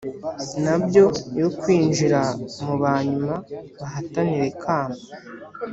nabyo yo kwinjira mu banyuma bahatanira ikamba